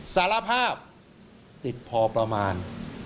สารภาพติดพอประมาณ